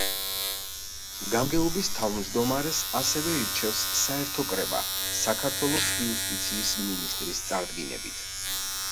გამგეობის თავმჯდომარეს, ასევე, ირჩევს საერთო კრება საქართველოს იუსტიციის მინისტრის წარდგინებით.